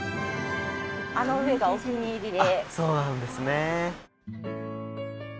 あの上がお気に入りであっそうなんですね